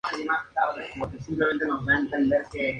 Otro factor que puede contribuir a las heridas crónicas es la vejez.